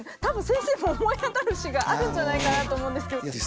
たぶん先生も思い当たる節があるんじゃないかなと思うんですけど。